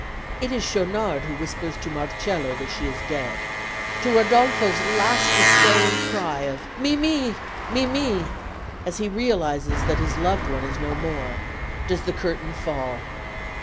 It is Schaunard who whispers to Marcello that she is dead. To Rodolfo's last despairing cry of "Mimi! Mimi!" as he realises that his loved one is no more, does the curtain fall.